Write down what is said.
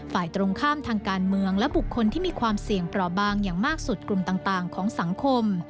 ฝ่ายตรงข้ามทางการเมืองและบุคคลที่มีความเสี่ยงเปราะบางอย่างมากสุดกลุ่มต่างของสังคม